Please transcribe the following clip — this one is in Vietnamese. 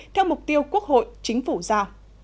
theo mục tiêu quốc hội chính phủ ra